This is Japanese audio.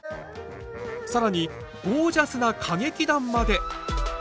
更にゴージャスな歌劇団まで！？